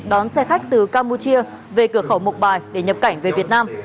đón xe khách từ campuchia về cửa khẩu mộc bài để nhập cảnh về việt nam